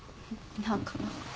何かな。